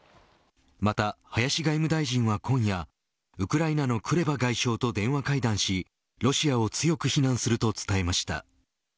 また、林外務大臣は今夜ウクライナのクレバ外相と電話会談しロシアを強く非難すると伝えました。